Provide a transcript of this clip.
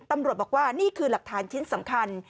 ตำรวจบอกว่านี่คือหลักฐานชิ้นสำคัญ